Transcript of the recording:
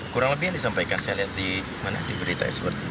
kurang lebih yang disampaikan saya lihat di mana diberitakan